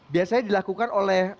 biasanya dilakukan oleh